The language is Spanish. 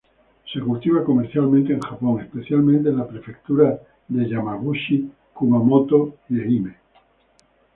Se cultiva comercialmente en Japón, especialmente en la prefectura de Yamaguchi, Kumamoto y Ehime.